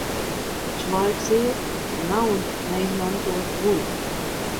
Taču laiks iet, un nauda neizmantota guļ.